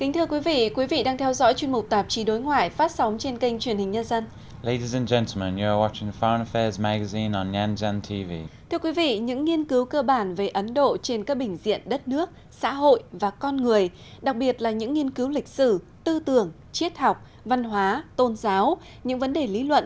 thưa quý vị quý vị đang theo dõi chuyên mục tạp chí đối ngoại phát sóng trên kênh truyền hình nhân dân